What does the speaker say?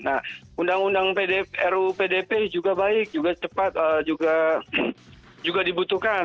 nah undang undang ruu pdp juga baik juga cepat juga dibutuhkan